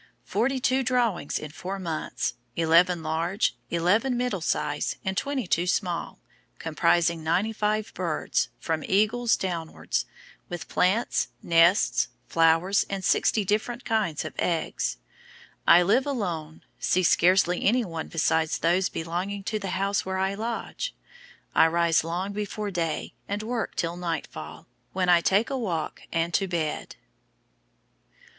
Forty two drawings in four months, eleven large, eleven middle size, and twenty two small, comprising ninety five birds, from eagles downwards, with plants, nests, flowers, and sixty different kinds of eggs. I live alone, see scarcely anyone besides those belonging to the house where I lodge. I rise long before day, and work till nightfall, when I take a walk and to bed."